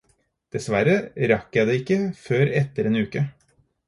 Dessverre rakk jeg det ikke før etter en uke.